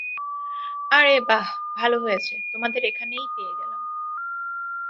আরে বাহ, ভালো হয়েছে তোমাদের এখানেই পেয়ে গেলাম।